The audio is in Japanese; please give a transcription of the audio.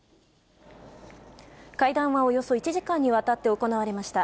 会談はおよそ１時間にわたって行われました。